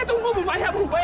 tunggu bung payah bu